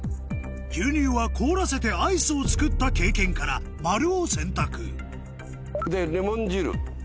牛乳は凍らせてアイスを作った経験から「○」を選択でレモン汁。